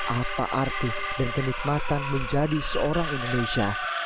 apa arti dan kenikmatan menjadi seorang indonesia